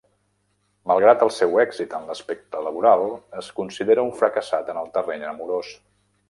Malgrat el seu èxit en l'aspecte laboral, es considera un fracassat en el terreny amorós.